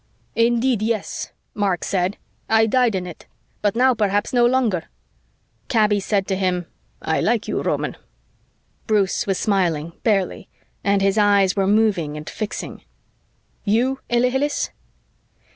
"Indeed, yes," Mark said. "I died in it. But now perhaps no longer." Kaby said to him, "I like you, Roman." Bruce was smiling, barely, and his eyes were moving and fixing. "You, Ilhilihis?"